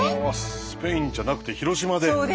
スペインじゃなくて広島で！